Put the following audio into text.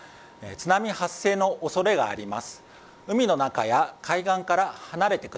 津波発生の恐れがあります。